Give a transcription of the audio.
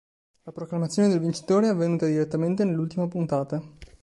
La proclamazione del vincitore è avvenuta direttamente nell'ultima puntata.